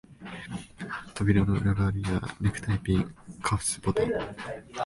扉の裏側には、ネクタイピン、カフスボタン、